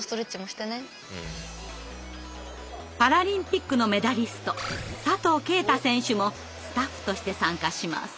パラリンピックのメダリスト佐藤圭太選手もスタッフとして参加します。